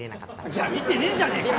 じゃあ見てねえじゃねえか！